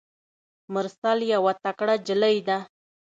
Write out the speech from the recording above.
مرسل یوه تکړه نجلۍ ده.